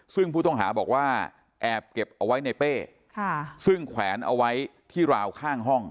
ซึ่งผู้ต้องหาบอกว่าแอบเก็บเอาไว้ในเป้ซึ่งแขวนเอาไว้ที่ราวข้างห้อง